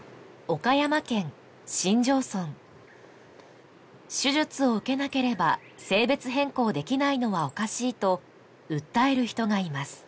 岡山県新庄村手術を受けなければ性別変更できないのはおかしいと訴える人がいます